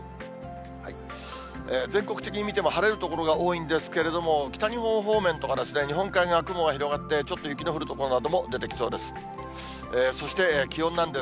全国的に見ても晴れる所が多いんですけれども、北日本方面とか、日本海側、雲が広がって、ちょっと雪の降る所なども出てきそうです。